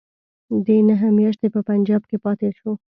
دی نهه میاشتې په پنجاب کې پاته شو.